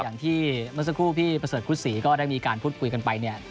อย่างที่เมื่อสักครู่พี่ประเสริฐคุศรีก็ได้มีการพูดคุยกันไปเนี่ย